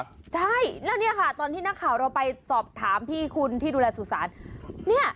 ใช่แล้วเนี่ยค่ะตอนที่นักข่าวเราไปสอบถามพี่คุณที่ดูแลสุสานเนี่ย